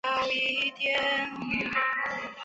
佐渡金山是一座位于日本新舄县佐渡市的金矿。